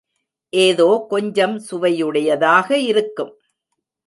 ஏதோ கொஞ்சம் சுவையுடையதாக இருக்கும்.